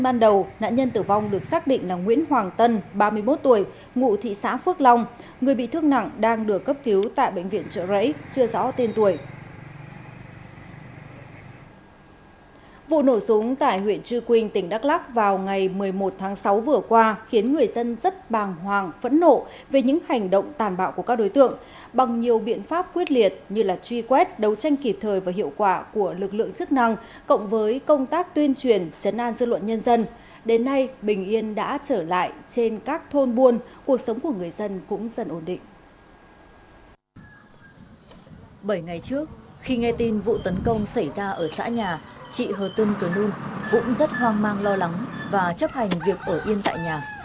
bảy ngày trước khi nghe tin vụ tấn công xảy ra ở xã nhà chị hờ tân cửa nung cũng rất hoang mang lo lắng và chấp hành việc ở yên tại nhà